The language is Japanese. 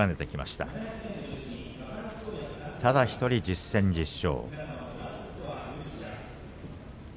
ただ１人１０戦１０勝。